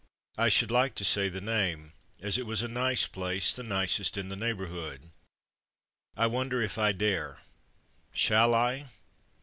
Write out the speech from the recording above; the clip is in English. I should like to say the name, as it was a nice place, the nicest ir? the neighbourhood. I wonder if I dare shall I.